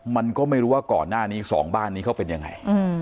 มันก็ไม่รู้ว่าก่อนหน้านี้สองบ้านนี้เขาเป็นยังไง